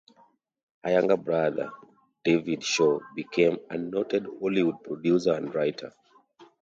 His younger brother, David Shaw, became a noted Hollywood producer and writer.